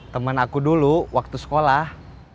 temen aku dulu waktu sekolah